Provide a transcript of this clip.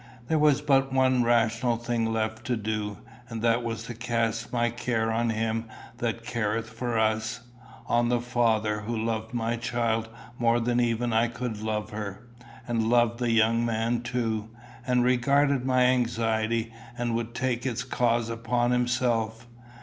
There was but one rational thing left to do, and that was to cast my care on him that careth for us on the Father who loved my child more than even I could love her and loved the young man too, and regarded my anxiety, and would take its cause upon himself.